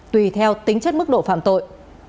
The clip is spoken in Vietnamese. tùy theo tính chất mức độ phạm tội